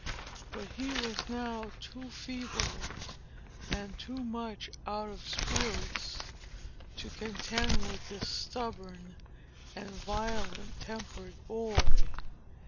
But he was now too feeble, and too much out of spirits, to contend with this stubborn and violent tempered boy.